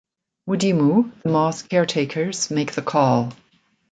Mudimu, the mosque caretakers, make the call.